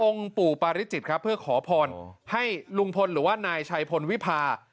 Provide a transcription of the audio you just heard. ปู่ปาริจิตครับเพื่อขอพรให้ลุงพลหรือว่านายชัยพลวิพา